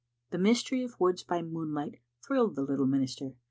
The mystery of woods by moonlight thrilled the little minister.